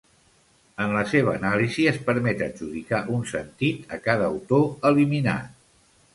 En la seva anàlisi es permet adjudicar un sentit a cada autor eliminat.